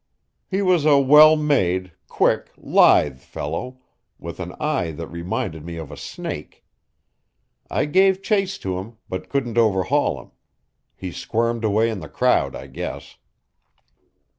"He was a well made, quick, lithe fellow, with an eye that reminded me of a snake. I gave chase to him, but couldn't overhaul him. He squirmed away in the crowd, I guess."